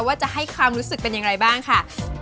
ว่าจะให้ความรู้สึกเป็นอย่างไรบ้างค่ะ